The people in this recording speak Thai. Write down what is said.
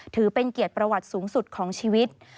ถือเป็นเกียรติประวัติสูงสุดของชีวิต